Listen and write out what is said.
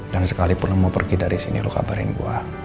dan sekalipun mau pergi dari sini lo kabarin gua